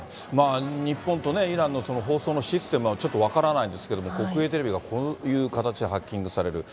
日本とね、イランの放送のシステムはちょっと分からないんですけれども、国営テレビがこういう形でハッキングされる。